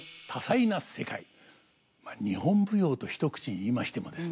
日本舞踊と一口に言いましてもですね